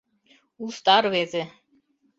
— Уста рвезе.